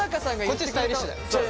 こっちスタイリッシュ。